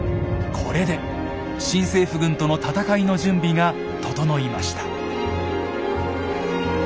これで新政府軍との戦いの準備が整いました。